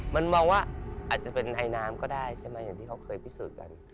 มันว่าอาจจะเป็นไหนน้ำก็ได้อย่างที่เคยพิสูจน์กัน